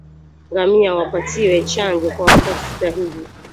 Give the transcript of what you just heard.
Ngamia wapatiwe chanjo kwa wakati sahihi